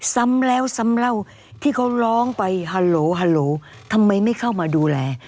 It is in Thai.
ซ้ำแล้วซ้ำเล่าที่เขาร้องไปฮัลโหลฮัลโหลทำไมไม่เข้ามาดูแล